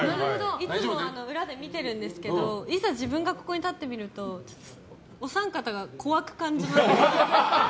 いつも裏で見てるんですけどいざ自分が、こちらに立ってみるとお三方が怖く感じます。